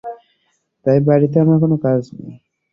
তাই বাড়িতে আমার কোন কাজ নেই।